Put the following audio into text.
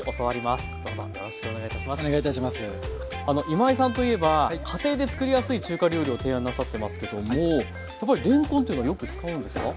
今井さんといえば家庭で作りやすい中華料理を提案なさってますけどもやっぱりれんこんというのはよく使うんですか？